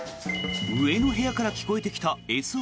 上の部屋から聞こえてきたＳＯＳ。